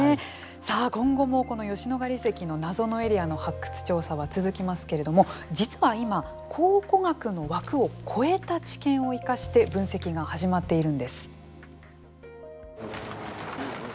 さあ、今後もこの吉野ヶ里遺跡の謎のエリアの発掘調査は続きますけれども実は今、考古学の枠を超えた知見を生かして分析が始まっているんです。